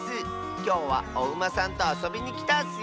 きょうはおウマさんとあそびにきたッスよ。